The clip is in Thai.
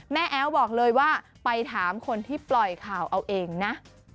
แอ๊วบอกเลยว่าไปถามคนที่ปล่อยข่าวเอาเองนะ